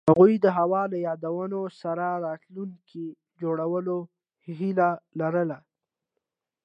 هغوی د هوا له یادونو سره راتلونکی جوړولو هیله لرله.